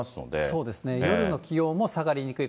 そうですね、夜の気温も下がりにくい。